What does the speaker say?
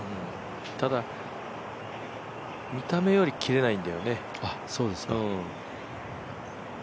ただ見た目より切れないんだよね。